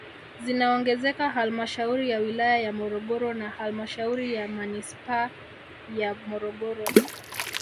Zinaongezeka halmashauri ya wilaya ya Morogoro na halmashauri ya manispaa ya Morogoro